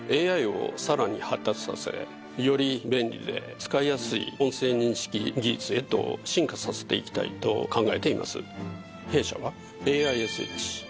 ＡＩをさらに発達させより便利で使いやすい音声認識技術へと進化させていきたいと考えています。